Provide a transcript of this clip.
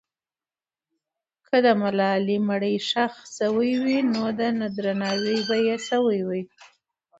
که د ملالۍ مړی ښخ سوی وي، نو درناوی به یې سوی وي.